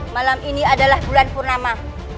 malam ini adalah bulan purnama